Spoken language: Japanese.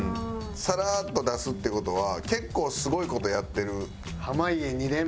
サラッと出すって事は結構すごい事をやってる。